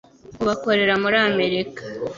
ubu akorera muri Amerika